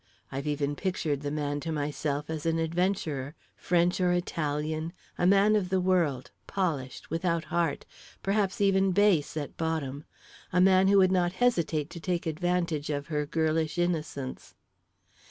I've even pictured the man to myself as an adventurer, French or Italian, a man of the world, polished, without heart, perhaps even base at bottom a man who would not hesitate to take advantage of her girlish innocence."